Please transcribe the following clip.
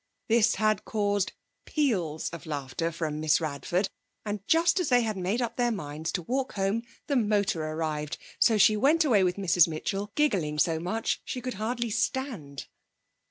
This had caused peals of laughter from Miss Radford, and just as they had made up their minds to walk home the motor arrived, so she went away with Mrs Mitchell, giggling so much she could hardly stand.